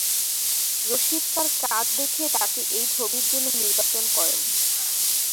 রশীদ তার কাজ দেখে তাকে এই ছবির জন্য নির্বাচন করেন।